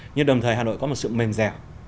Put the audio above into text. nhưng đồng thời hà nội có một sự mềm dẻo